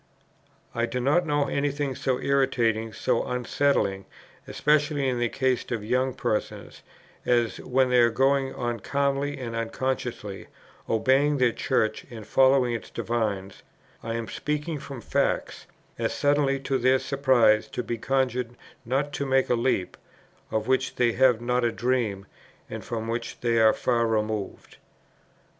I do not know any thing so irritating, so unsettling, especially in the case of young persons, as, when they are going on calmly and unconsciously, obeying their Church and following its divines, (I am speaking from facts,) as suddenly to their surprise to be conjured not to make a leap, of which they have not a dream and from which they are far removed."